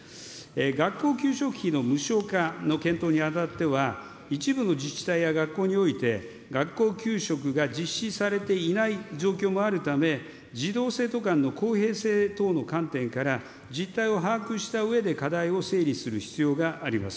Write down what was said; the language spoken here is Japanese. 学校給食費の無償化の検討にあたっては、一部の自治体や学校において、学校給食が実施されていない状況もあるため、児童・生徒間の公平性の観点から、実態を把握したうえで課題を整理する必要があります。